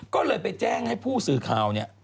ก็เลยไปแจ้งให้ผู้สื่อข่าวเนี่ย